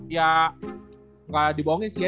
ya gak dibongin sih ya